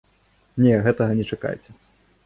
Не, гэтага не чакайце.